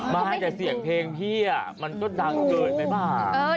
บ้านแต่เสียงเพลงพี่มันก็ดังเกินไปบ้าง